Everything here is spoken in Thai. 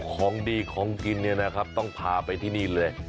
ของดีของกินเนี่ยนะครับต้องพาไปที่นี่เลย